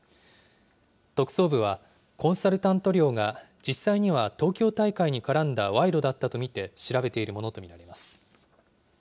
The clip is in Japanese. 特捜部は、コンサルタント料が、実際には東京大会に絡んだ賄賂だったと見て調べているものと見られます。